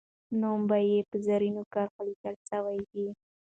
نوم یې به په زرینو کرښو لیکل سوی وي.